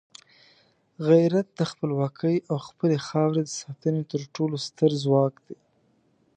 غیرت د خپلواکۍ او خپلې خاورې د ساتنې تر ټولو ستر ځواک دی.